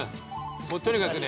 もうとにかくね。